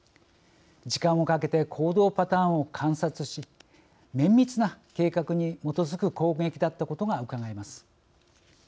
時間をかけて行動パターンを観察し綿密な計画に基づく攻撃だったことがうかがえます。